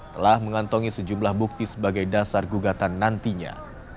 telah mengantongi sejumlah bukti sebagai dasar gugatan nantinya